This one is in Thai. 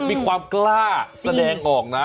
มีความกล้าแสดงออกนะ